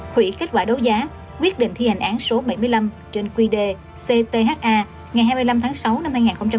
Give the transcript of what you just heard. hủy kết quả đấu giá quyết định thi hành án số bảy mươi năm trên qd ctha ngày hai mươi năm tháng sáu năm hai nghìn một mươi chín